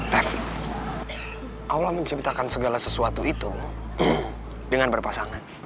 nah allah menciptakan segala sesuatu itu dengan berpasangan